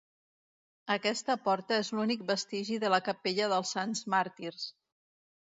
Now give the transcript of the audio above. Aquesta porta és l'únic vestigi de la capella dels Sants Màrtirs.